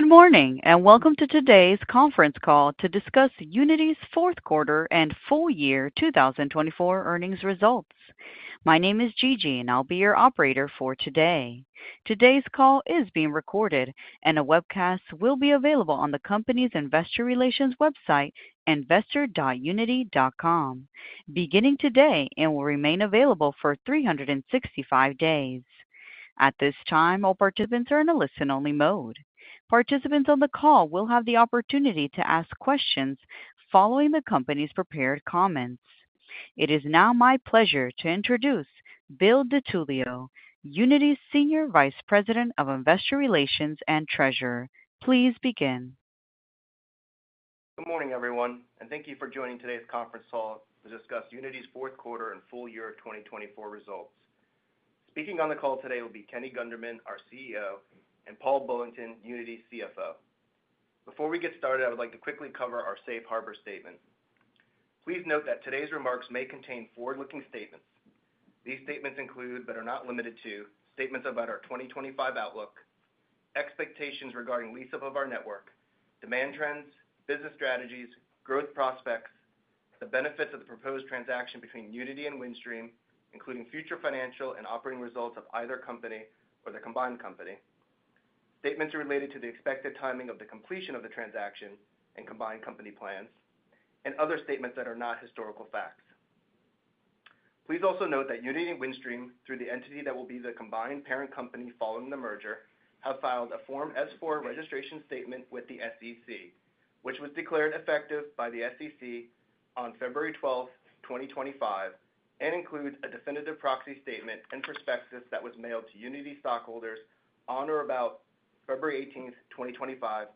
Good morning, and welcome to today's conference call to discuss Uniti's fourth quarter and full year 2024 earnings results. My name is Gigi, and I'll be your operator for today. Today's call is being recorded, and the webcast will be available on the company's investor relations website, investor.uniti.com, beginning today and will remain available for 365 days. At this time, all participants are in a listen-only mode. Participants on the call will have the opportunity to ask questions following the company's prepared comments. It is now my pleasure to introduce Bill DiTullio, Uniti's Senior Vice President of Investor Relations and Treasurer. Please begin. Good morning, everyone, and thank you for joining today's conference call to discuss Uniti's fourth quarter and full year 2024 results. Speaking on the call today will be Kenny Gunderman, our CEO, and Paul Bullington, Uniti's CFO. Before we get started, I would like to quickly cover our safe harbor statement. Please note that today's remarks may contain forward-looking statements. These statements include, but are not limited to, statements about our 2025 outlook, expectations regarding lease-up of our network, demand trends, business strategies, growth prospects, the benefits of the proposed transaction between Uniti and Windstream, including future financial and operating results of either company or the combined company. Statements are related to the expected timing of the completion of the transaction and combined company plans, and other statements that are not historical facts. Please also note that Uniti and Windstream, through the entity that will be the combined parent company following the merger, have filed a Form S-4 registration statement with the SEC, which was declared effective by the SEC on February 12th, 2025, and includes a definitive proxy statement and prospectus that was mailed to Uniti stockholders on or about February 18th, 2025,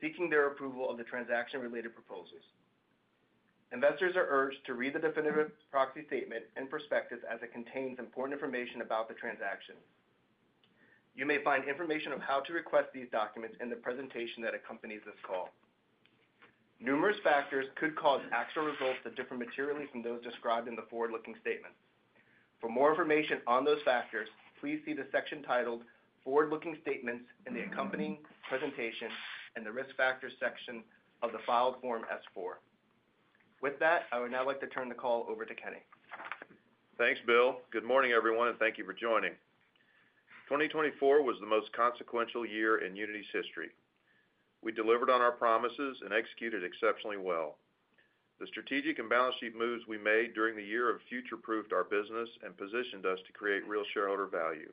seeking their approval of the transaction-related proposals. Investors are urged to read the definitive proxy statement and prospectus as it contains important information about the transaction. You may find information of how to request these documents in the presentation that accompanies this call. Numerous factors could cause actual results to differ materially from those described in the forward-looking statements. For more information on those factors, please see the section titled "Forward-looking Statements" in the accompanying presentation and the risk factors section of the filed Form S-4. With that, I would now like to turn the call over to Kenny. Thanks, Bill. Good morning, everyone, and thank you for joining. 2024 was the most consequential year in Uniti's history. We delivered on our promises and executed exceptionally well. The strategic and balance sheet moves we made during the year have future-proofed our business and positioned us to create real shareholder value.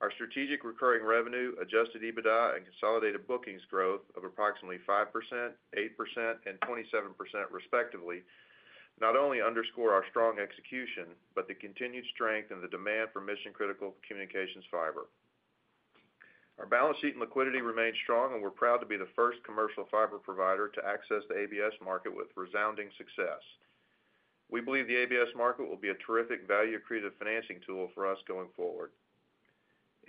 Our strategic recurring revenue, adjusted EBITDA, and consolidated bookings growth of approximately 5%, 8%, and 27%, respectively, not only underscore our strong execution, but the continued strength and the demand for mission-critical communications fiber. Our balance sheet and liquidity remain strong, and we're proud to be the first commercial fiber provider to access the ABS market with resounding success. We believe the ABS market will be a terrific value-accretive financing tool for us going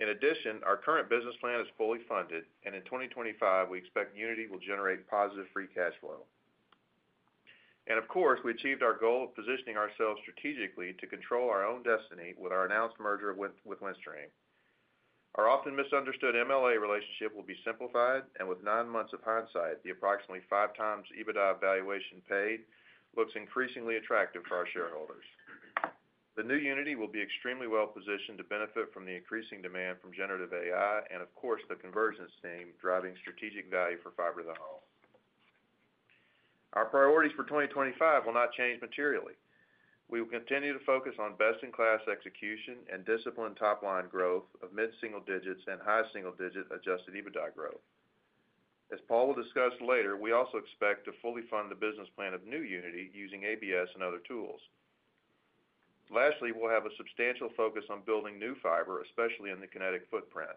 forward. In addition, our current business plan is fully funded, and in 2025, we expect Uniti will generate positive free cash flow. And of course, we achieved our goal of positioning ourselves strategically to control our own destiny with our announced merger with Windstream. Our often misunderstood MLA relationship will be simplified, and with nine months of hindsight, the approximately five times EBITDA valuation paid looks increasingly attractive for our shareholders. The new Uniti will be extremely well positioned to benefit from the increasing demand from Generative AI and, of course, the convergence team driving strategic value for fiber to the home. Our priorities for 2025 will not change materially. We will continue to focus on best-in-class execution and disciplined top-line growth of mid-single digits and high single-digit adjusted EBITDA growth. As Paul will discuss later, we also expect to fully fund the business plan of new Uniti using ABS and other tools. Lastly, we'll have a substantial focus on building new fiber, especially in the Kinetic footprint.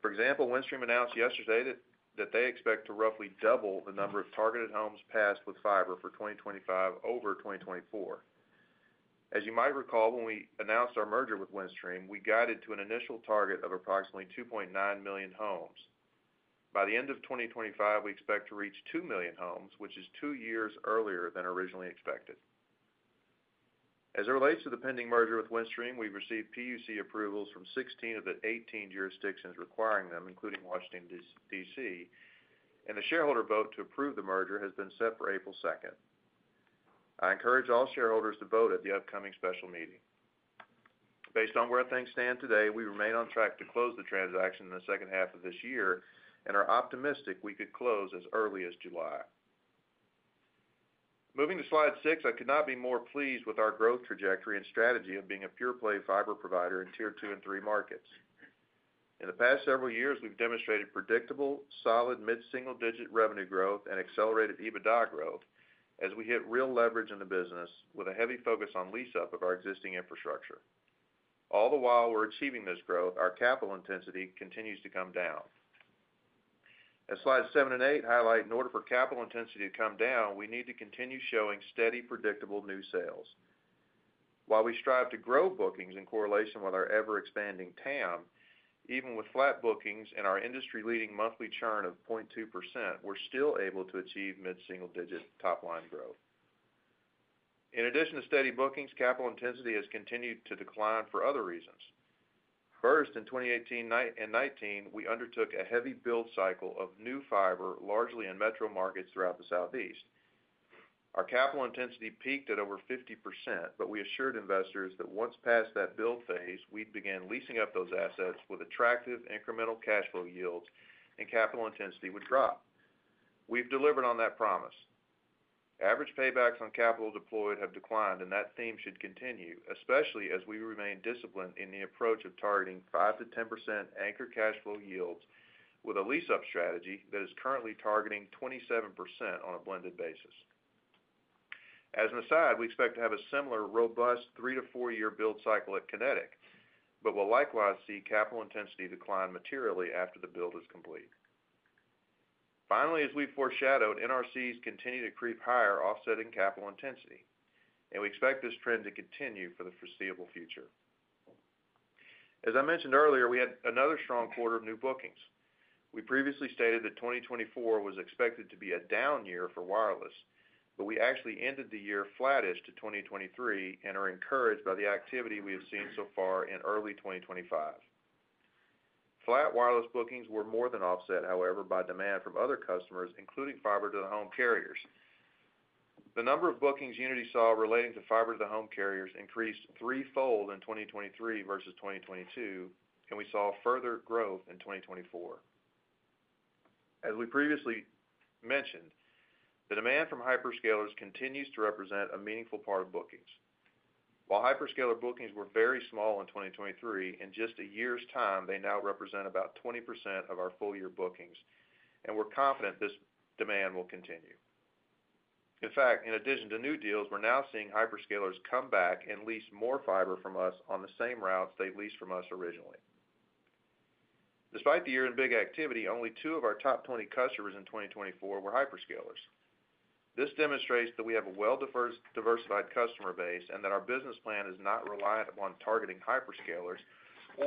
For example, Windstream announced yesterday that they expect to roughly double the number of targeted homes passed with fiber for 2025 over 2024. As you might recall, when we announced our merger with Windstream, we guided to an initial target of approximately 2.9 million homes. By the end of 2025, we expect to reach 2 million homes, which is two years earlier than originally expected. As it relates to the pending merger with Windstream, we've received PUC approvals from 16 of the 18 jurisdictions requiring them, including Washington, DC, and the shareholder vote to approve the merger has been set for April 2nd. I encourage all shareholders to vote at the upcoming special meeting. Based on where things stand today, we remain on track to close the transaction in the second half of this year and are optimistic we could close as early as July. Moving to slide six, I could not be more pleased with our growth trajectory and strategy of being a pure-play fiber provider in tier II and III markets. In the past several years, we've demonstrated predictable, solid mid-single digit revenue growth and accelerated EBITDA growth as we hit real leverage in the business with a heavy focus on lease-up of our existing infrastructure. All the while we're achieving this growth, our capital intensity continues to come down. As slides seven and eight highlight, in order for capital intensity to come down, we need to continue showing steady, predictable new sales. While we strive to grow bookings in correlation with our ever-expanding TAM, even with flat bookings and our industry-leading monthly churn of 0.2%, we're still able to achieve mid-single digit top-line growth. In addition to steady bookings, capital intensity has continued to decline for other reasons. First, in 2018 and 2019, we undertook a heavy build cycle of new fiber, largely in metro markets throughout the Southeast. Our capital intensity peaked at over 50%, but we assured investors that once past that build phase, we'd begin leasing up those assets with attractive incremental cash flow yields and capital intensity would drop. We've delivered on that promise. Average paybacks on capital deployed have declined, and that theme should continue, especially as we remain disciplined in the approach of targeting 5%-10% anchor cash flow yields with a lease-up strategy that is currently targeting 27% on a blended basis. As an aside, we expect to have a similar robust 3- to 4-year build cycle at Kinetic, but we'll likewise see capital intensity decline materially after the build is complete. Finally, as we've foreshadowed, NRCs continue to creep higher, offsetting capital intensity, and we expect this trend to continue for the foreseeable future. As I mentioned earlier, we had another strong quarter of new bookings. We previously stated that 2024 was expected to be a down year for wireless, but we actually ended the year flattish to 2023 and are encouraged by the activity we have seen so far in early 2025. Flat wireless bookings were more than offset, however, by demand from other customers, including fiber-to-the-home carriers. The number of bookings Uniti saw relating to fiber-to-the-home carriers increased threefold in 2023 versus 2022, and we saw further growth in 2024. As we previously mentioned, the demand from hyperscalers continues to represent a meaningful part of bookings. While hyperscaler bookings were very small in 2023, in just a year's time, they now represent about 20% of our full year bookings, and we're confident this demand will continue. In fact, in addition to new deals, we're now seeing hyperscalers come back and lease more fiber from us on the same routes they leased from us originally. Despite the year in big activity, only two of our top 20 customers in 2024 were hyperscalers. This demonstrates that we have a well-diversified customer base and that our business plan is not reliant upon targeting hyperscalers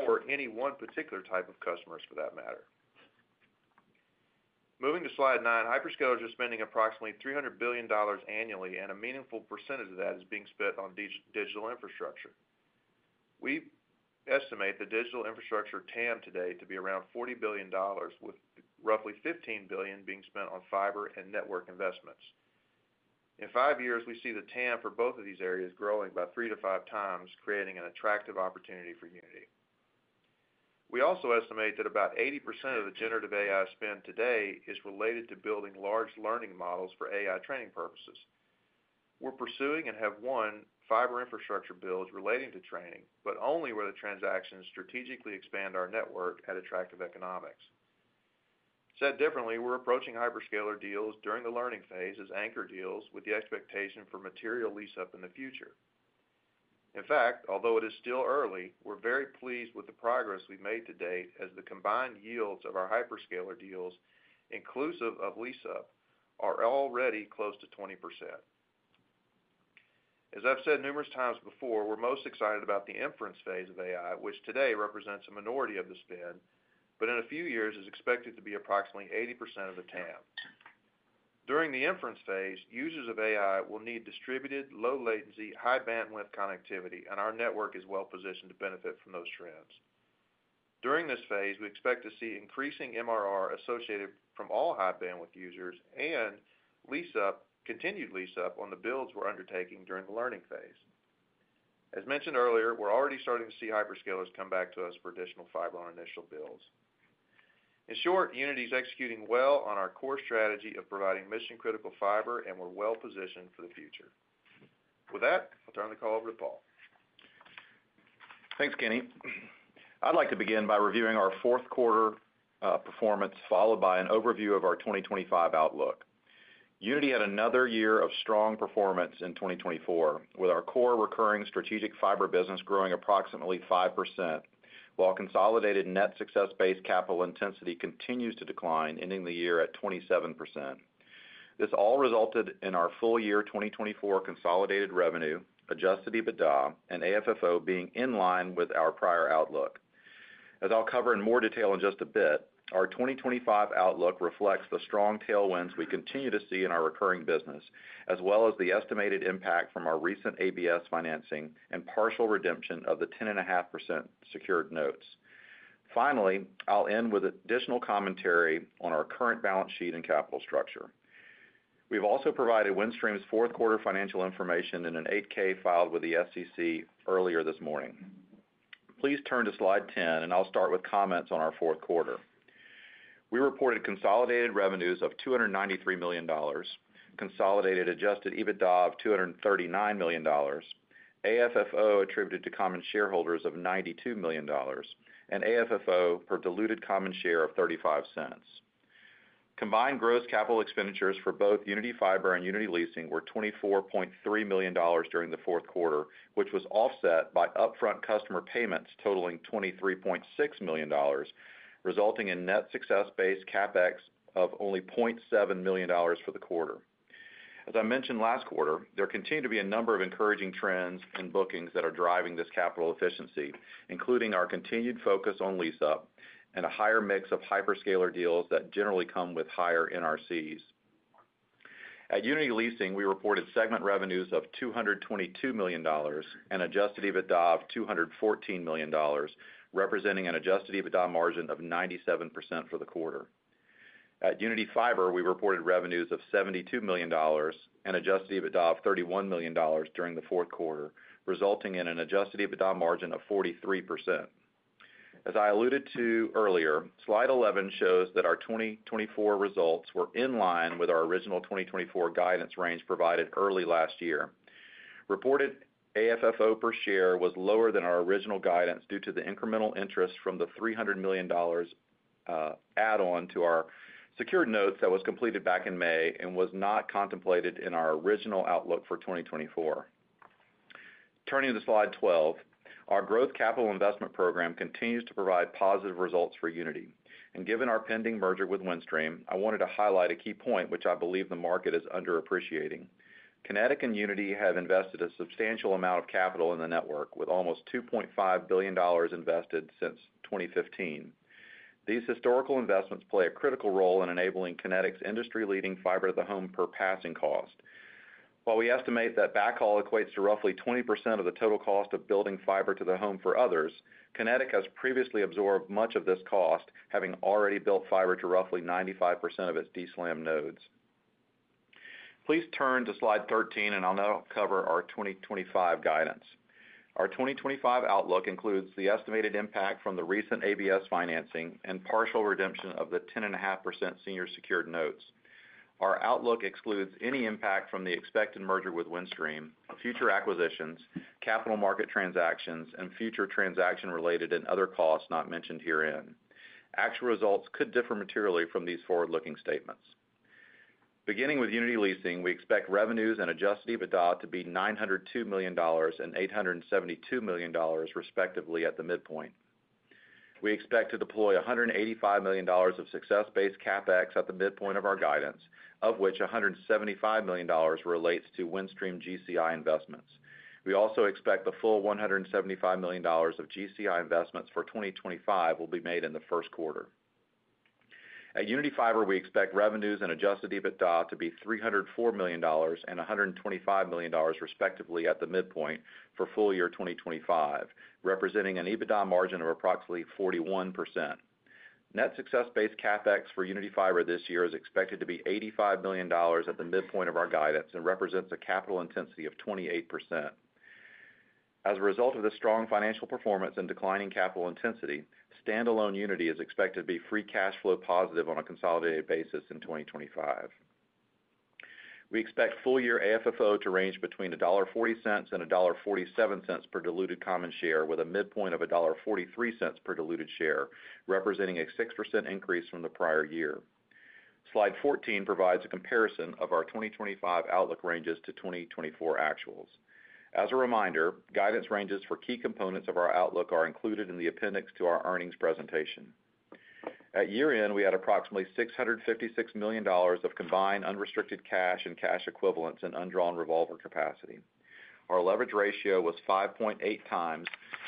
or any one particular type of customers for that matter. Moving to slide nine, hyperscalers are spending approximately $300 billion annually, and a meaningful percentage of that is being spent on digital infrastructure. We estimate the digital infrastructure TAM today to be around $40 billion, with roughly $15 billion being spent on fiber and network investments. In five years, we see the TAM for both of these areas growing by three to five times, creating an attractive opportunity for Uniti. We also estimate that about 80% of the generative AI spend today is related to building large learning models for AI training purposes. We're pursuing and have won fiber infrastructure builds relating to training, but only where the transactions strategically expand our network at attractive economics. Said differently, we're approaching hyperscaler deals during the learning phase as anchor deals with the expectation for material lease-up in the future. In fact, although it is still early, we're very pleased with the progress we've made to date as the combined yields of our hyperscaler deals, inclusive of lease-up, are already close to 20%. As I've said numerous times before, we're most excited about the inference phase of AI, which today represents a minority of the spend, but in a few years is expected to be approximately 80% of the TAM. During the inference phase, users of AI will need distributed, low-latency, high-bandwidth connectivity, and our network is well-positioned to benefit from those trends. During this phase, we expect to see increasing MRR associated from all high-bandwidth users and continued lease-up on the builds we're undertaking during the learning phase. As mentioned earlier, we're already starting to see hyperscalers come back to us for additional fiber on initial builds. In short, Uniti is executing well on our core strategy of providing mission-critical fiber, and we're well-positioned for the future. With that, I'll turn the call over to Paul. Thanks, Kenny. I'd like to begin by reviewing our fourth quarter performance followed by an overview of our 2025 outlook. Uniti had another year of strong performance in 2024, with our core recurring strategic fiber business growing approximately 5%, while consolidated net success-based capital intensity continues to decline, ending the year at 27%. This all resulted in our full year 2024 consolidated revenue, adjusted EBITDA, and AFFO being in line with our prior outlook. As I'll cover in more detail in just a bit, our 2025 outlook reflects the strong tailwinds we continue to see in our recurring business, as well as the estimated impact from our recent ABS financing and partial redemption of the 10.5% secured notes. Finally, I'll end with additional commentary on our current balance sheet and capital structure. We've also provided Windstream's fourth quarter financial information in an 8-K filed with the SEC earlier this morning. Please turn to slide 10, and I'll start with comments on our fourth quarter. We reported consolidated revenues of $293 million, consolidated adjusted EBITDA of $239 million, AFFO attributed to common shareholders of $92 million, and AFFO per diluted common share of $0.35. Combined gross capital expenditures for both Uniti Fiber and Uniti Leasing were $24.3 million during the fourth quarter, which was offset by upfront customer payments totaling $23.6 million, resulting in net success-based CapEx of only $0.7 million for the quarter. As I mentioned last quarter, there continue to be a number of encouraging trends in bookings that are driving this capital efficiency, including our continued focus on lease-up and a higher mix of hyperscaler deals that generally come with higher NRCs. At Uniti Leasing, we reported segment revenues of $222 million and adjusted EBITDA of $214 million, representing an adjusted EBITDA margin of 97% for the quarter. At Uniti Fiber, we reported revenues of $72 million and adjusted EBITDA of $31 million during the fourth quarter, resulting in an adjusted EBITDA margin of 43%. As I alluded to earlier, slide 11 shows that our 2024 results were in line with our original 2024 guidance range provided early last year. Reported AFFO per share was lower than our original guidance due to the incremental interest from the $300 million add-on to our secured notes that was completed back in May and was not contemplated in our original outlook for 2024. Turning to slide 12, our growth capital investment program continues to provide positive results for Uniti. Given our pending merger with Windstream, I wanted to highlight a key point which I believe the market is underappreciating. Kinetic and Uniti have invested a substantial amount of capital in the network, with almost $2.5 billion invested since 2015. These historical investments play a critical role in enabling Kinetic's industry-leading fiber-to-the-home per passing cost. While we estimate that backhaul equates to roughly 20% of the total cost of building fiber-to-the-home for others, Kinetic has previously absorbed much of this cost, having already built fiber to roughly 95% of its DSLAM nodes. Please turn to slide 13, and I'll now cover our 2025 guidance. Our 2025 outlook includes the estimated impact from the recent ABS financing and partial redemption of the 10.5% senior secured notes. Our outlook excludes any impact from the expected merger with Windstream, future acquisitions, capital market transactions, and future transaction-related and other costs not mentioned herein. Actual results could differ materially from these forward-looking statements. Beginning with Uniti Leasing, we expect revenues and adjusted EBITDA to be $902 million and $872 million, respectively, at the midpoint. We expect to deploy $185 million of success-based CapEx at the midpoint of our guidance, of which $175 million relates to Windstream GCI investments. We also expect the full $175 million of GCI investments for 2025 will be made in the first quarter. At Uniti Fiber, we expect revenues and adjusted EBITDA to be $304 million and $125 million, respectively, at the midpoint for full year 2025, representing an EBITDA margin of approximately 41%. Net success-based CapEx for Uniti Fiber this year is expected to be $85 million at the midpoint of our guidance and represents a capital intensity of 28%. As a result of the strong financial performance and declining capital intensity, standalone Uniti is expected to be free cash flow positive on a consolidated basis in 2025. We expect full year AFFO to range between $1.40 and $1.47 per diluted common share, with a midpoint of $1.43 per diluted share, representing a 6% increase from the prior year. Slide 14 provides a comparison of our 2025 outlook ranges to 2024 actuals. As a reminder, guidance ranges for key components of our outlook are included in the appendix to our earnings presentation. At year-end, we had approximately $656 million of combined unrestricted cash and cash equivalents in undrawn revolver capacity. Our leverage ratio was 5.8 times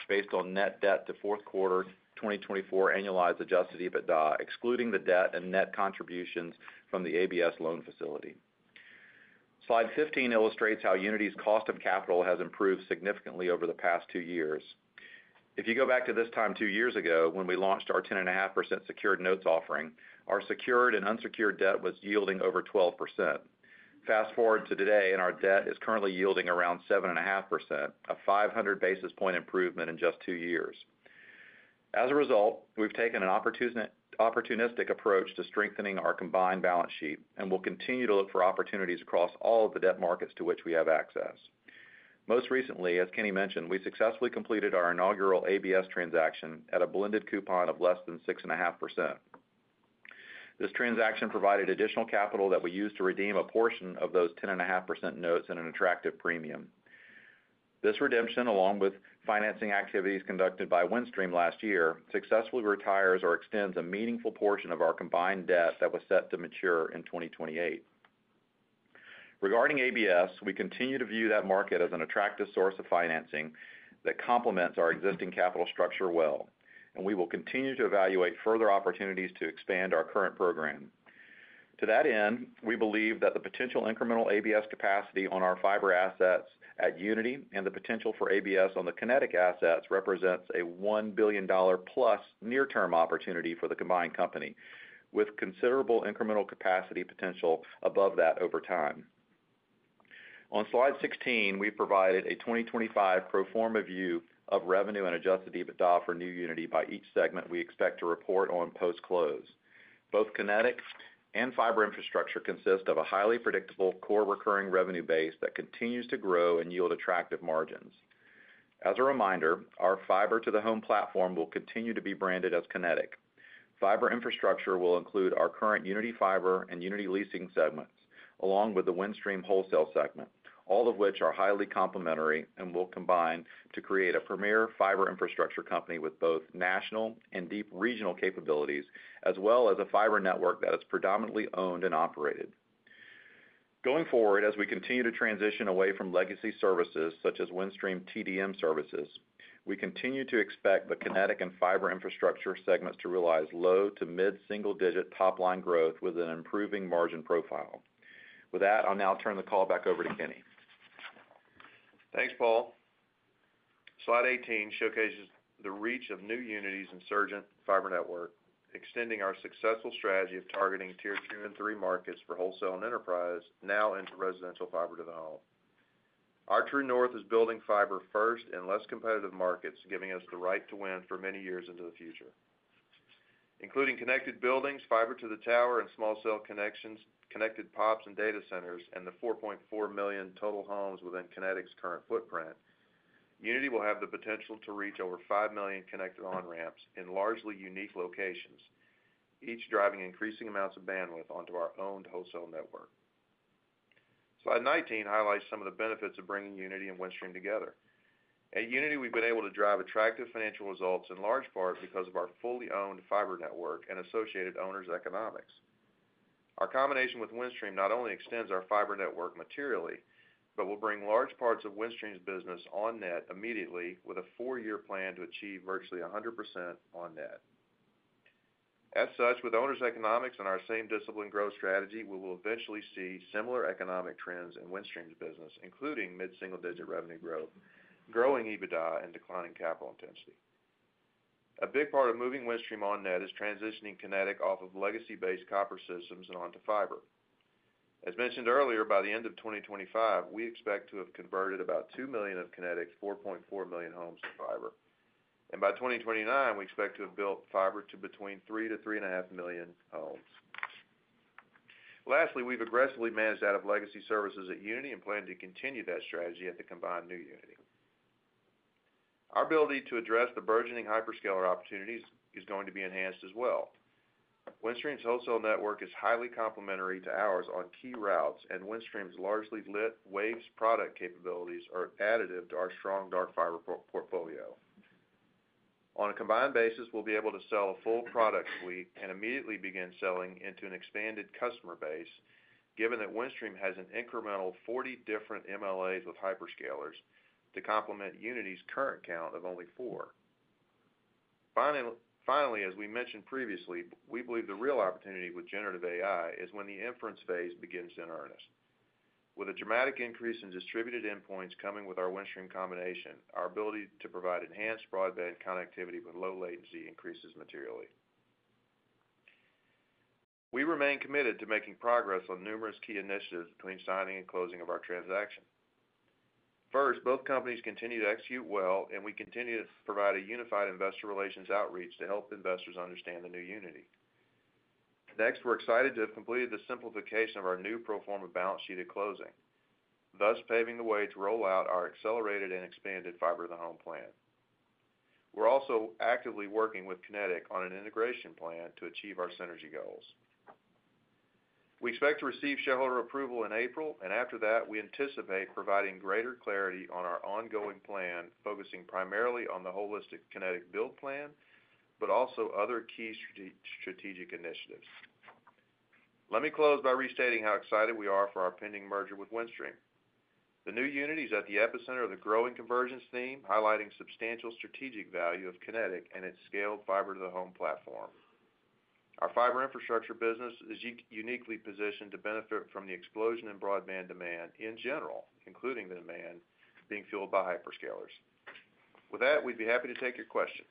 based on net debt to fourth quarter 2024 annualized adjusted EBITDA, excluding the debt and net contributions from the ABS loan facility. Slide 15 illustrates how Uniti's cost of capital has improved significantly over the past two years. If you go back to this time two years ago when we launched our 10.5% secured notes offering, our secured and unsecured debt was yielding over 12%. Fast forward to today, and our debt is currently yielding around 7.5%, a 500 basis point improvement in just two years. As a result, we've taken an opportunistic approach to strengthening our combined balance sheet and will continue to look for opportunities across all of the debt markets to which we have access. Most recently, as Kenny mentioned, we successfully completed our inaugural ABS transaction at a blended coupon of less than 6.5%. This transaction provided additional capital that we used to redeem a portion of those 10.5% notes in an attractive premium. This redemption, along with financing activities conducted by Windstream last year, successfully retires or extends a meaningful portion of our combined debt that was set to mature in 2028. Regarding ABS, we continue to view that market as an attractive source of financing that complements our existing capital structure well, and we will continue to evaluate further opportunities to expand our current program. To that end, we believe that the potential incremental ABS capacity on our fiber assets at Uniti and the potential for ABS on the Kinetic assets represents a $1 billion plus near-term opportunity for the combined company, with considerable incremental capacity potential above that over time. On slide 16, we provided a 2025 pro forma view of revenue and adjusted EBITDA for new Uniti by each segment we expect to report on post-close. Both Kinetic and fiber infrastructure consist of a highly predictable core recurring revenue base that continues to grow and yield attractive margins. As a reminder, our fiber-to-the-home platform will continue to be branded as Kinetic. Fiber infrastructure will include our current Uniti Fiber and Uniti Leasing segments, along with the Windstream wholesale segment, all of which are highly complementary and will combine to create a premier fiber infrastructure company with both national and deep regional capabilities, as well as a fiber network that is predominantly owned and operated. Going forward, as we continue to transition away from legacy services such as Windstream TDM services, we continue to expect the Kinetic and fiber infrastructure segments to realize low to mid-single-digit top-line growth with an improving margin profile. With that, I'll now turn the call back over to Kenny. Thanks, Paul. Slide 18 showcases the reach of new Uniti's insurgent fiber network, extending our successful strategy of targeting tier II and III markets for wholesale and enterprise, now into residential fiber development. Our true north is building fiber first in less competitive markets, giving us the right to win for many years into the future. Including connected buildings, fiber-to-the-tower, and small cell connections, connected POPs and data centers, and the 4.4 million total homes within Kinetic's current footprint, Uniti will have the potential to reach over 5 million connected on-ramps in largely unique locations, each driving increasing amounts of bandwidth onto our owned wholesale network. Slide 19 highlights some of the benefits of bringing Uniti and Windstream together. At Uniti, we've been able to drive attractive financial results in large part because of our fully owned fiber network and associated owners' economics. Our combination with Windstream not only extends our fiber network materially, but will bring large parts of Windstream's business on-net immediately with a four-year plan to achieve virtually 100% on-net. As such, with owners' economics and our same discipline growth strategy, we will eventually see similar economic trends in Windstream's business, including mid-single-digit revenue growth, growing EBITDA, and declining capital intensity. A big part of moving Windstream on-net is transitioning Kinetic off of legacy-based copper systems and onto fiber. As mentioned earlier, by the end of 2025, we expect to have converted about 2 million of Kinetic's 4.4 million homes to fiber, and by 2029, we expect to have built fiber to between 3 to 3.5 million homes. Lastly, we've aggressively managed out of legacy services at Uniti and plan to continue that strategy at the combined new Uniti. Our ability to address the burgeoning hyperscaler opportunities is going to be enhanced as well. Windstream's wholesale network is highly complementary to ours on key routes, and Windstream's largely lit waves product capabilities are additive to our strong dark fiber portfolio. On a combined basis, we'll be able to sell a full product suite and immediately begin selling into an expanded customer base, given that Windstream has an incremental 40 different MLAs with hyperscalers to complement Uniti's current count of only four. Finally, as we mentioned previously, we believe the real opportunity with Generative AI is when the inference phase begins in earnest. With a dramatic increase in distributed endpoints coming with our Windstream combination, our ability to provide enhanced broadband connectivity with low latency increases materially. We remain committed to making progress on numerous key initiatives between signing and closing of our transaction. First, both companies continue to execute well, and we continue to provide a unified investor relations outreach to help investors understand the new Uniti. Next, we're excited to have completed the simplification of our new pro forma balance sheet at closing, thus paving the way to roll out our accelerated and expanded fiber-to-the-home plan. We're also actively working with Kinetic on an integration plan to achieve our synergy goals. We expect to receive shareholder approval in April, and after that, we anticipate providing greater clarity on our ongoing plan, focusing primarily on the holistic Kinetic build plan, but also other key strategic initiatives. Let me close by restating how excited we are for our pending merger with Windstream. The new Uniti is at the epicenter of the growing convergence theme, highlighting substantial strategic value of Kinetic and its scaled fiber-to-the-home platform. Our fiber infrastructure business is uniquely positioned to benefit from the explosion in broadband demand in general, including the demand being fueled by hyperscalers. With that, we'd be happy to take your questions.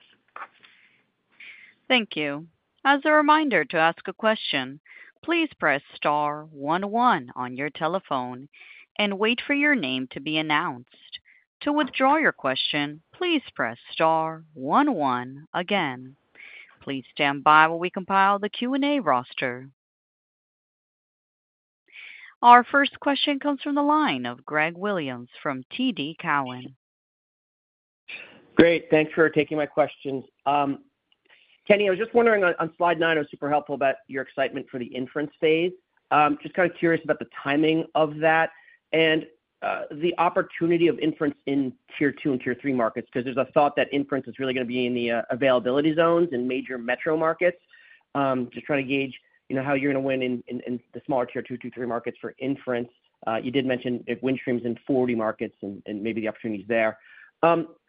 Thank you. As a reminder to ask a question, please press star 11 on your telephone and wait for your name to be announced. To withdraw your question, please press star 11 again. Please stand by while we compile the Q&A roster. Our first question comes from the line of Greg Williams from TD Cowen. Great. Thanks for taking my questions. Kenny, I was just wondering on slide nine, it was super helpful about your excitement for the inference phase. Just kind of curious about the timing of that and the opportunity of inference in tier II and III markets, because there's a thought that inference is really going to be in the availability zones in major metro markets. Just trying to gauge how you're going to win in the smaller tier II and III markets for inference. You did mention Windstream's in 40 markets and maybe the opportunity's there.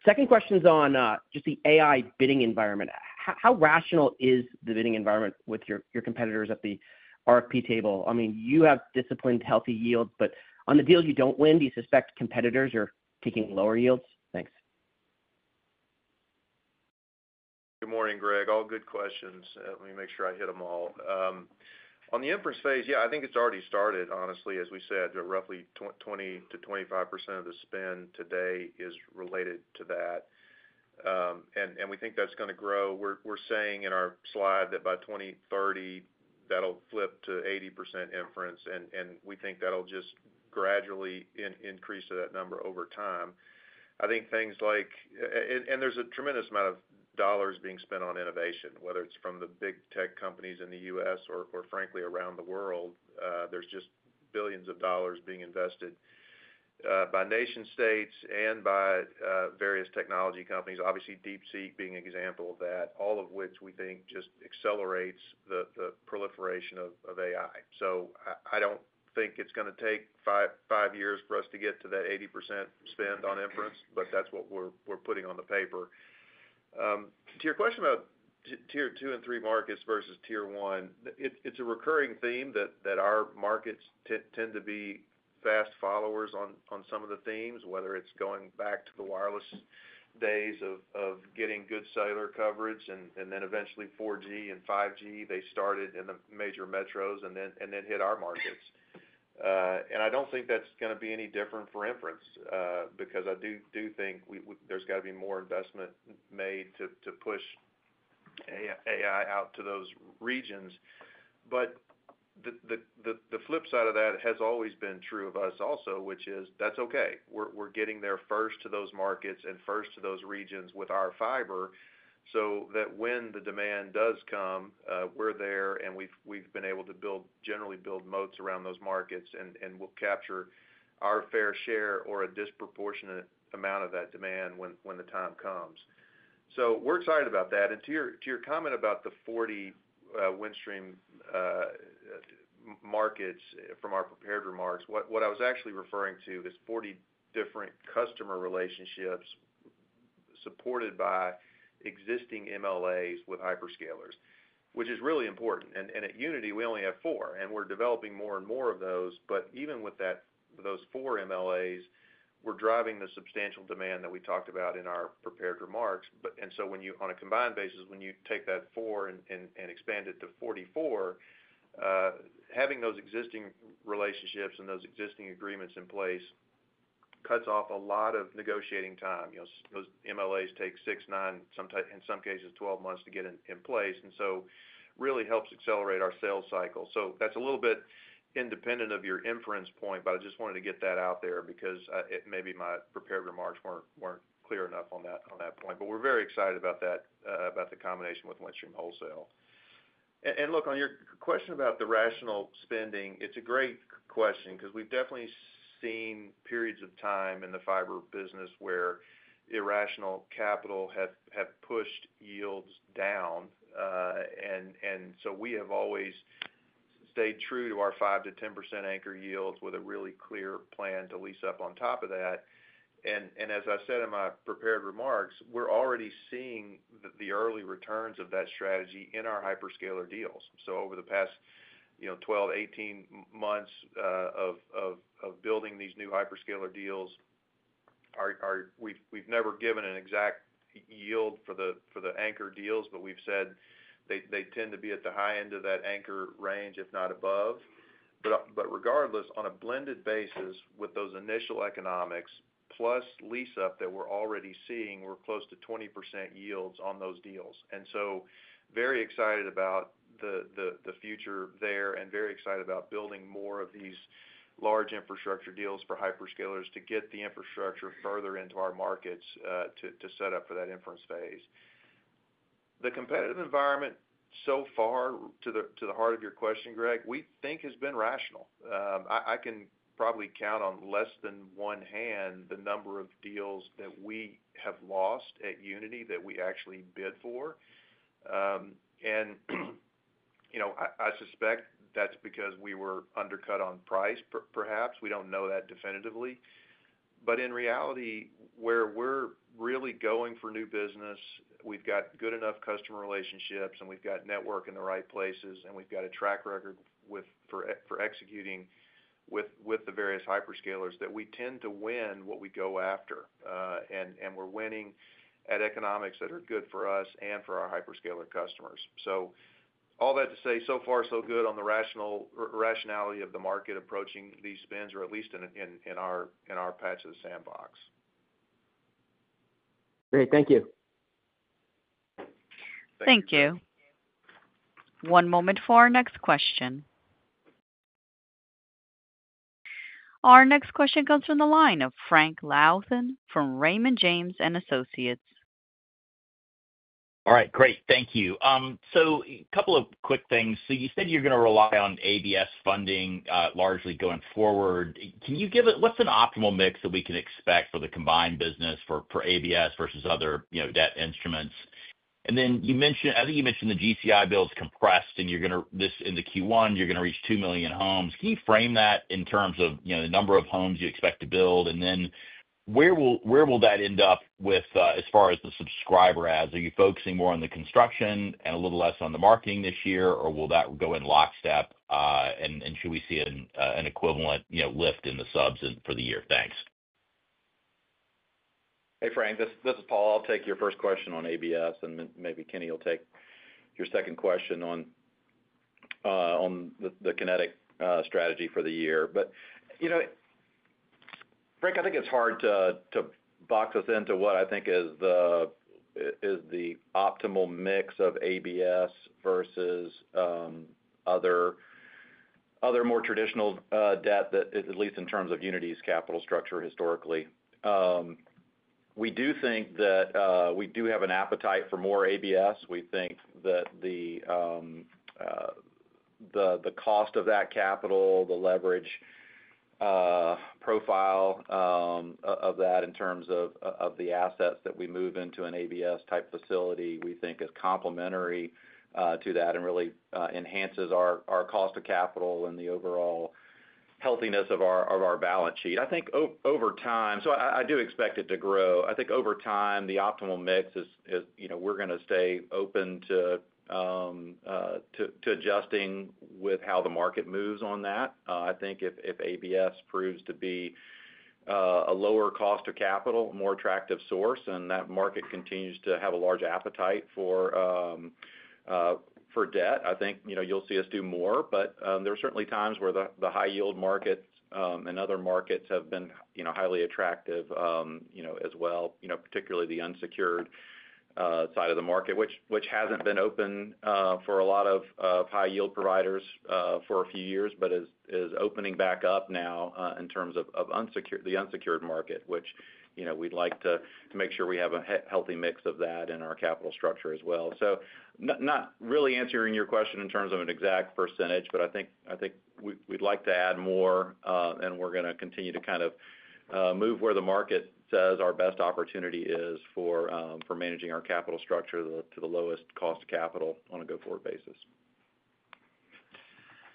Second question's on just the AI bidding environment. How rational is the bidding environment with your competitors at the RFP table? I mean, you have disciplined, healthy yields, but on the deals you don't win, do you suspect competitors are taking lower yields? Thanks. Good morning, Greg. All good questions. Let me make sure I hit them all. On the inference phase, yeah, I think it's already started, honestly. As we said, roughly 20%-25% of the spend today is related to that. And we think that's going to grow. We're saying in our slide that by 2030, that'll flip to 80% inference, and we think that'll just gradually increase to that number over time. I think things like, and there's a tremendous amount of dollars being spent on innovation, whether it's from the big tech companies in the U.S. or, frankly, around the world. There's just billions of dollars being invested by nation-states and by various technology companies, obviously DeepSeek being an example of that, all of which we think just accelerates the proliferation of AI. I don't think it's going to take five years for us to get to that 80% spend on inference, but that's what we're putting on the paper. To your question about tier II and III markets versus tier I, it's a recurring theme that our markets tend to be fast followers on some of the themes, whether it's going back to the wireless days of getting good cellular coverage and then eventually 4G and 5G. They started in the major metros and then hit our markets. And I don't think that's going to be any different for inference, because I do think there's got to be more investment made to push AI out to those regions. But the flip side of that has always been true of us also, which is that's okay. We're getting there first to those markets and first to those regions with our fiber so that when the demand does come, we're there and we've been able to generally build moats around those markets and will capture our fair share or a disproportionate amount of that demand when the time comes. So we're excited about that. And to your comment about the 40 Windstream markets from our prepared remarks, what I was actually referring to is 40 different customer relationships supported by existing MLAs with hyperscalers, which is really important. And at Uniti, we only have four, and we're developing more and more of those. But even with those four MLAs, we're driving the substantial demand that we talked about in our prepared remarks. And so on a combined basis, when you take that four and expand it to 44, having those existing relationships and those existing agreements in place cuts off a lot of negotiating time. Those MLAs take six, nine, in some cases, 12 months to get in place, and so really helps accelerate our sales cycle. So that's a little bit independent of your inference point, but I just wanted to get that out there because maybe my prepared remarks weren't clear enough on that point. But we're very excited about the combination with Windstream Wholesale. And look, on your question about the rational spending, it's a great question because we've definitely seen periods of time in the fiber business where irrational capital have pushed yields down. And so we have always stayed true to our 5%-10% anchor yields with a really clear plan to lease up on top of that. And as I said in my prepared remarks, we're already seeing the early returns of that strategy in our hyperscaler deals. So over the past 12-18 months of building these new hyperscaler deals, we've never given an exact yield for the anchor deals, but we've said they tend to be at the high end of that anchor range, if not above. But regardless, on a blended basis with those initial economics, plus lease-up that we're already seeing, we're close to 20% yields on those deals. And so very excited about the future there and very excited about building more of these large infrastructure deals for hyperscalers to get the infrastructure further into our markets to set up for that inference phase. The competitive environment so far, to the heart of your question, Greg, we think has been rational. I can probably count on less than one hand the number of deals that we have lost at Uniti that we actually bid for, and I suspect that's because we were undercut on price, perhaps. We don't know that definitively, but in reality, where we're really going for new business, we've got good enough customer relationships, and we've got network in the right places, and we've got a track record for executing with the various hyperscalers that we tend to win what we go after, and we're winning at economics that are good for us and for our hyperscaler customers, so all that to say, so far, so good on the rationality of the market approaching these spends, or at least in our patch of the sandbox. Great. Thank you. Thank you. One moment for our next question. Our next question comes from the line of Frank Louthan from Raymond James and Associates. All right. Great. Thank you. So a couple of quick things. So you said you're going to rely on ABS funding largely going forward. Can you give us what's an optimal mix that we can expect for the combined business for ABS versus other debt instruments? And then I think you mentioned the GCI build is compressed, and this is in the Q1, you're going to reach 2 million homes. Can you frame that in terms of the number of homes you expect to build? And then where will that end up with as far as the subscriber adds? Are you focusing more on the construction and a little less on the marketing this year, or will that go in lockstep, and should we see an equivalent lift in the subs for the year? Thanks. Hey, Frank, this is Paul. I'll take your first question on ABS, and maybe Kenny will take your second question on the Kinetic strategy for the year. But Frank, I think it's hard to box us into what I think is the optimal mix of ABS versus other more traditional debt, at least in terms of Uniti's capital structure historically. We do think that we do have an appetite for more ABS. We think that the cost of that capital, the leverage profile of that in terms of the assets that we move into an ABS-type facility, we think is complementary to that and really enhances our cost of capital and the overall healthiness of our balance sheet. I think over time, so I do expect it to grow. I think over time, the optimal mix is we're going to stay open to adjusting with how the market moves on that. I think if ABS proves to be a lower cost of capital, a more attractive source, and that market continues to have a large appetite for debt, I think you'll see us do more, but there are certainly times where the high-yield markets and other markets have been highly attractive as well, particularly the unsecured side of the market, which hasn't been open for a lot of high-yield providers for a few years, but is opening back up now in terms of the unsecured market, which we'd like to make sure we have a healthy mix of that in our capital structure as well. So not really answering your question in terms of an exact percentage, but I think we'd like to add more, and we're going to continue to kind of move where the market says our best opportunity is for managing our capital structure to the lowest cost of capital on a go-forward basis.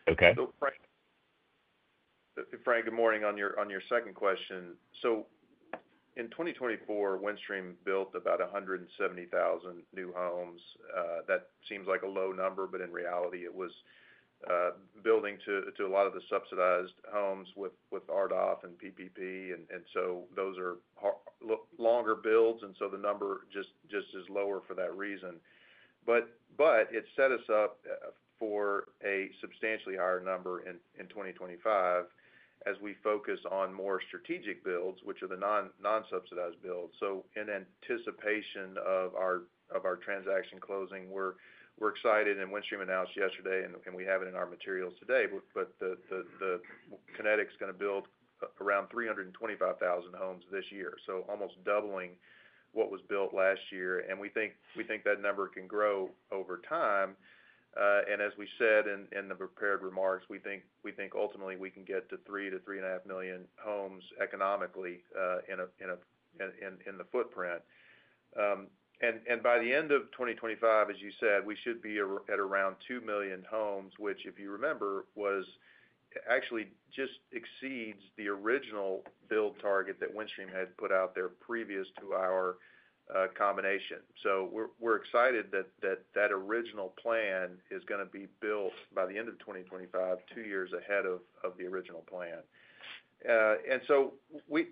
Okay. Frank, good morning on your second question. So in 2024, Windstream built about 170,000 new homes. That seems like a low number, but in reality, it was building to a lot of the subsidized homes with RDOF and PPP. And so those are longer builds, and so the number just is lower for that reason. But it set us up for a substantially higher number in 2025 as we focus on more strategic builds, which are the non-subsidized builds. So in anticipation of our transaction closing, we're excited. Windstream announced yesterday, and we have it in our materials today, but Kinetic's going to build around 325,000 homes this year, so almost doubling what was built last year. We think that number can grow over time. As we said in the prepared remarks, we think ultimately we can get to 3-3.5 million homes economically in the footprint. By the end of 2025, as you said, we should be at around 2 million homes, which, if you remember, actually just exceeds the original build target that Windstream had put out there previous to our combination. We're excited that that original plan is going to be built by the end of 2025, two years ahead of the original plan.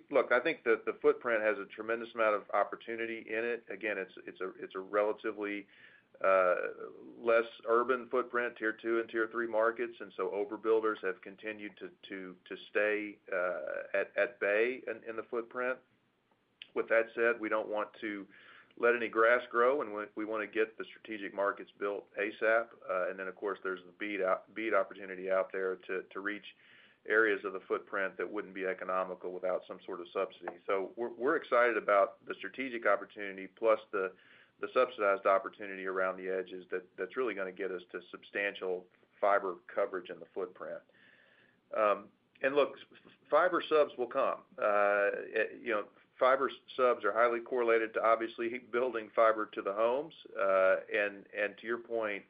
Look, I think the footprint has a tremendous amount of opportunity in it. Again, it's a relatively less urban footprint, tier II and tier III markets, and so overbuilders have continued to stay at bay in the footprint. With that said, we don't want to let any grass grow, and we want to get the strategic markets built ASAP, and then, of course, there's the BEAD out there to reach areas of the footprint that wouldn't be economical without some sort of subsidy, so we're excited about the strategic opportunity, plus the subsidized opportunity around the edges that's really going to get us to substantial fiber coverage in the footprint, and look, fiber subs will come. Fiber subs are highly correlated to, obviously, building fiber to the homes, and to your point,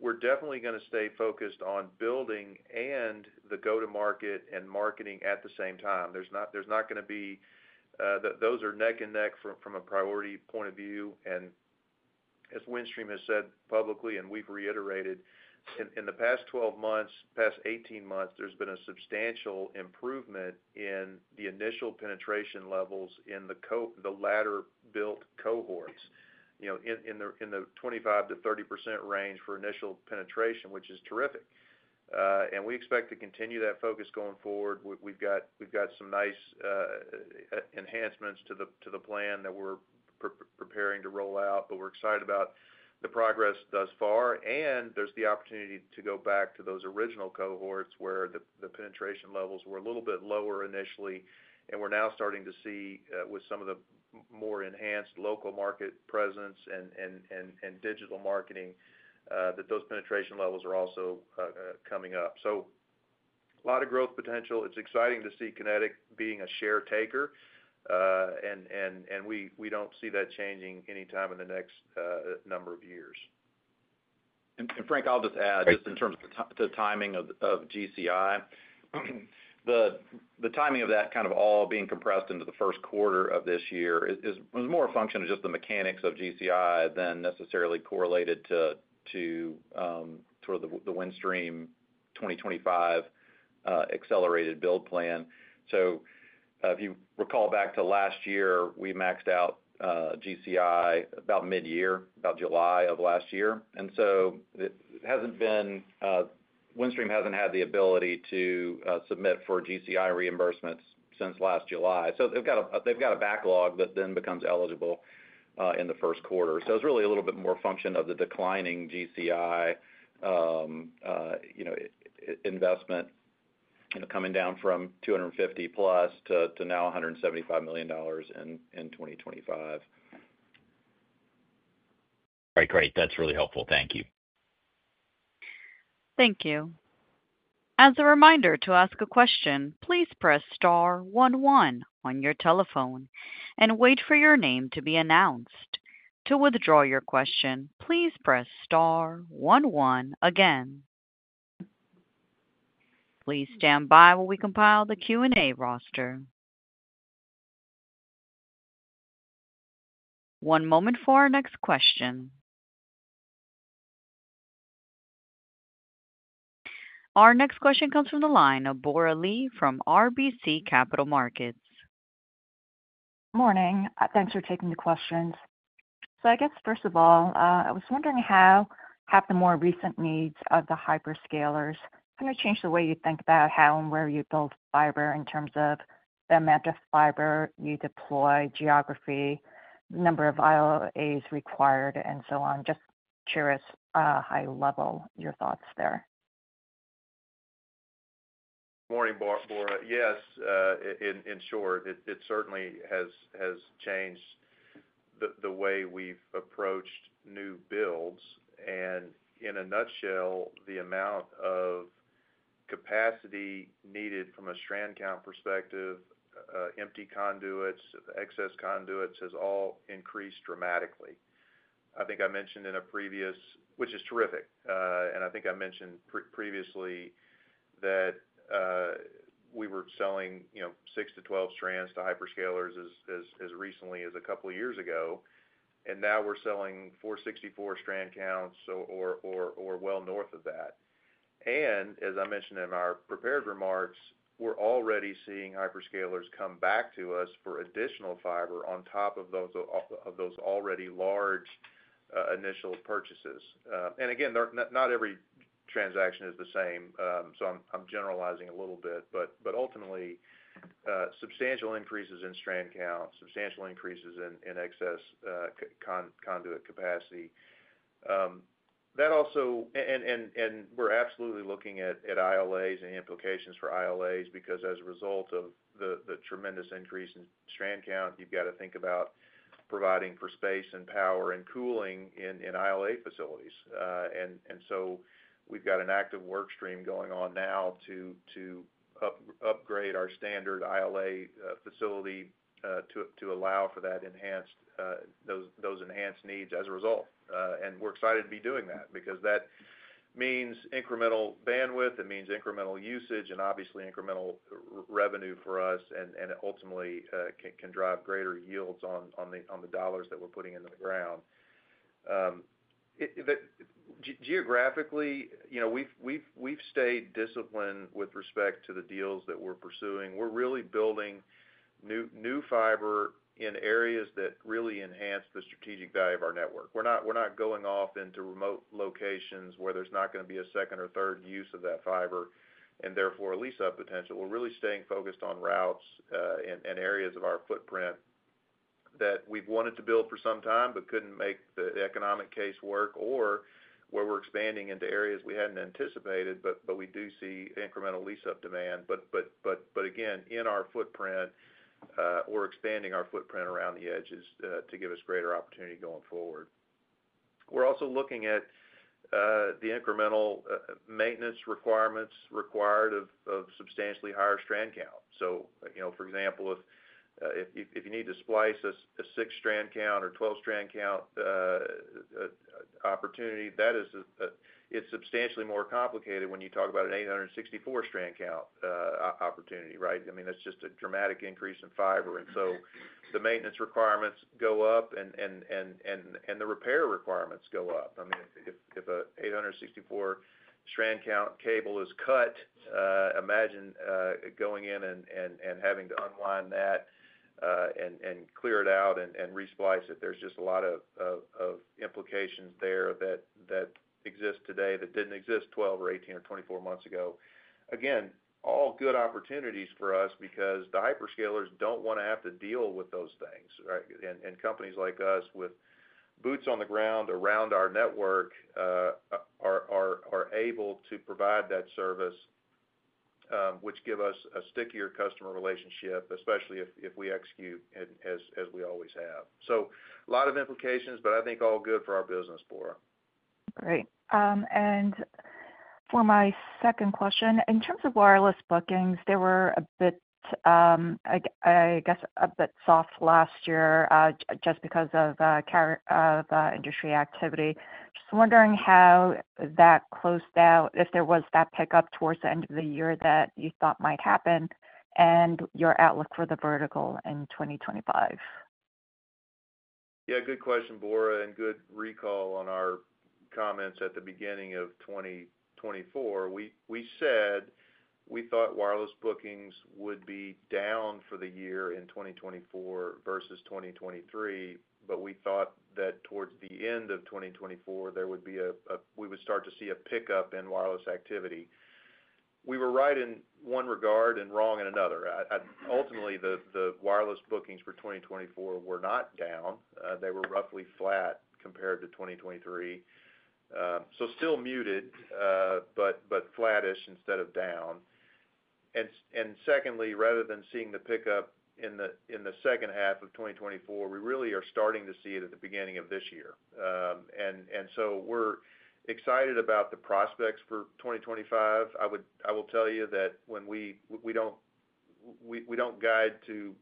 we're definitely going to stay focused on building and the go-to-market and marketing at the same time. There's not going to be. Those are neck and neck from a priority point of view. As Windstream has said publicly, and we've reiterated, in the past 12 months, past 18 months, there's been a substantial improvement in the initial penetration levels in the latter-built cohorts in the 25%-30% range for initial penetration, which is terrific. We expect to continue that focus going forward. We've got some nice enhancements to the plan that we're preparing to roll out, but we're excited about the progress thus far. There's the opportunity to go back to those original cohorts where the penetration levels were a little bit lower initially. We're now starting to see, with some of the more enhanced local market presence and digital marketing, that those penetration levels are also coming up. So a lot of growth potential. It's exciting to see Kinetic being a share taker, and we don't see that changing anytime in the next number of years. And Frank, I'll just add, just in terms of the timing of GCI, the timing of that kind of all being compressed into the first quarter of this year was more a function of just the mechanics of GCI than necessarily correlated to sort of the Windstream 2025 accelerated build plan. So if you recall back to last year, we maxed out GCI about mid-year, about July of last year. And so Windstream hasn't had the ability to submit for GCI reimbursements since last July. So they've got a backlog that then becomes eligible in the first quarter. So it's really a little bit more a function of the declining GCI investment coming down from 250-plus to now $175 million in 2025. All right. Great. That's really helpful. Thank you. Thank you. As a reminder to ask a question, please press star 11 on your telephone and wait for your name to be announced. To withdraw your question, please press star 11 again. Please stand by while we compile the Q&A roster. One moment for our next question. Our next question comes from the line of Bora Lee from RBC Capital Markets. Morning. Thanks for taking the questions. So I guess, first of all, I was wondering how have the more recent needs of the hyperscalers kind of changed the way you think about how and where you build fiber in terms of the amount of fiber you deploy, geography, the number of ILAs required, and so on? Just curious, high-level, your thoughts there. Morning, Bora. Yes, in short, it certainly has changed the way we've approached new builds. And in a nutshell, the amount of capacity needed from a strand count perspective, empty conduits, excess conduits has all increased dramatically. I think I mentioned in a previous, which is terrific. And I think I mentioned previously that we were selling six to 12 strands to hyperscalers as recently as a couple of years ago, and now we're selling 864 strand counts or well north of that. And as I mentioned in our prepared remarks, we're already seeing hyperscalers come back to us for additional fiber on top of those already large initial purchases. And again, not every transaction is the same, so I'm generalizing a little bit. But ultimately, substantial increases in strand count, substantial increases in excess conduit capacity. We're absolutely looking at ILAs and the implications for ILAs because, as a result of the tremendous increase in strand count, you've got to think about providing for space and power and cooling in ILA facilities. So we've got an active workstream going on now to upgrade our standard ILA facility to allow for those enhanced needs as a result. We're excited to be doing that because that means incremental bandwidth. It means incremental usage and, obviously, incremental revenue for us, and it ultimately can drive greater yields on the dollars that we're putting into the ground. Geographically, we've stayed disciplined with respect to the deals that we're pursuing. We're really building new fiber in areas that really enhance the strategic value of our network. We're not going off into remote locations where there's not going to be a second or third use of that fiber and therefore a lease-up potential. We're really staying focused on routes and areas of our footprint that we've wanted to build for some time but couldn't make the economic case work, or where we're expanding into areas we hadn't anticipated, but we do see incremental lease-up demand. But again, in our footprint, we're expanding our footprint around the edges to give us greater opportunity going forward. We're also looking at the incremental maintenance requirements required of substantially higher strand count. So for example, if you need to splice a six-strand count or 12-strand count opportunity, it's substantially more complicated when you talk about an 864-strand count opportunity, right? I mean, that's just a dramatic increase in fiber. And so the maintenance requirements go up, and the repair requirements go up. I mean, if an 864-strand count cable is cut, imagine going in and having to unwind that and clear it out and resplice it. There's just a lot of implications there that exist today that didn't exist 12 or 18 or 24 months ago. Again, all good opportunities for us because the hyperscalers don't want to have to deal with those things, right? And companies like us with boots on the ground around our network are able to provide that service, which gives us a stickier customer relationship, especially if we execute as we always have. So a lot of implications, but I think all good for our business, Bora. All right. And for my second question, in terms of wireless bookings, there were a bit, I guess, a bit soft last year just because of industry activity. Just wondering how that closed out, if there was that pickup towards the end of the year that you thought might happen, and your outlook for the vertical in 2025? Yeah, good question, Bora, and good recall on our comments at the beginning of 2024. We said we thought wireless bookings would be down for the year in 2024 versus 2023, but we thought that towards the end of 2024, there would be a—we would start to see a pickup in wireless activity. We were right in one regard and wrong in another. Ultimately, the wireless bookings for 2024 were not down. They were roughly flat compared to 2023, so still muted, but flattish instead of down, and secondly, rather than seeing the pickup in the second half of 2024, we really are starting to see it at the beginning of this year, and so we're excited about the prospects for 2025. I will tell you that when we don't guide to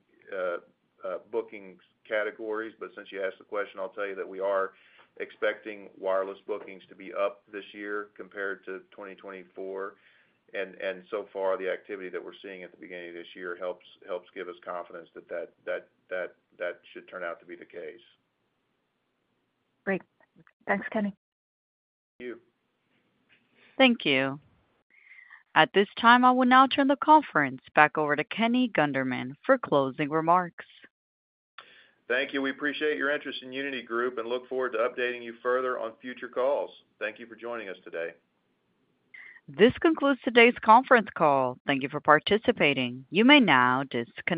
booking categories, but since you asked the question, I'll tell you that we are expecting wireless bookings to be up this year compared to 2024, and so far, the activity that we're seeing at the beginning of this year helps give us confidence that that should turn out to be the case. Great. Thanks, Kenny. Thank you. Thank you. At this time, I will now turn the conference back over to Kenny Gunderman for closing remarks. Thank you. We appreciate your interest in Uniti Group and look forward to updating you further on future calls. Thank you for joining us today. This concludes today's conference call. Thank you for participating. You may now disconnect.